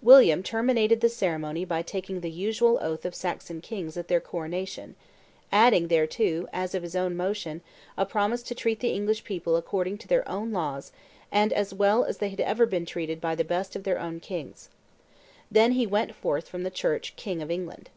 William terminated the ceremony by taking the usual oath of Saxon kings at their coronation, adding thereto, as of his own motion, a promise to treat the English people according to their own laws and as well as they had ever been treated by the best of their own kings. Then he went forth from the church King of England.